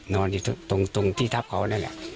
นอนอยู่ตรงที่ทับเขานั่นแหละ